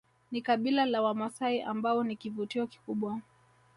ni kabila la wamasai ambao ni kivutio kikubwa